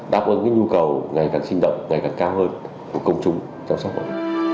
đáp ứng nhu cầu ngày càng sinh động ngày càng cao hơn của công chung trong xã hội